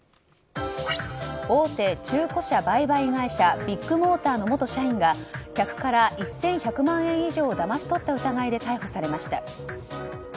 大手中古車売買会社ビッグモーターの元社員が客から１１００万円以上をだまし取った疑いで逮捕されました。